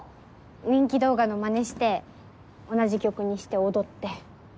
人気動画のマネして同じ曲にして踊って。